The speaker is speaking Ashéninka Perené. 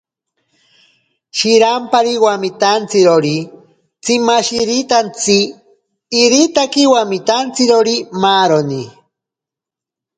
Shirampari wamitantsirori tsimashiritantsi, iritaki wamitantsirori maaroni.